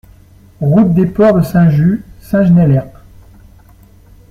Route des Ports de Saint-Just, Saint-Genest-Lerpt